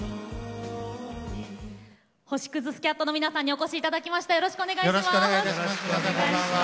星屑スキャットの皆さんにお越しいただきました。